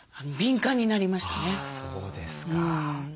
そうですか。